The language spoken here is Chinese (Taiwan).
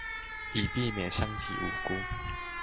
以避免傷及無辜